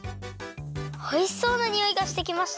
おいしそうなにおいがしてきました。